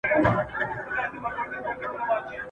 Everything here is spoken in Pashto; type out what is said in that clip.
د سټیج له سر څخه !.